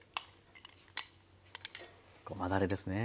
ごまだれですね。